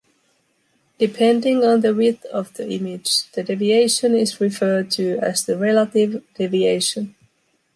Depending on the width of the image, the deviation is referred to as the relative deviation.